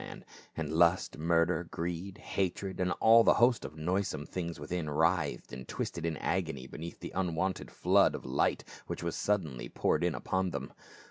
man, and lust, murder, greed, hatred and all the host of noisome things within writhed and twisted in agony beneath the unwonted flood of light which was suddenly poured in upon them.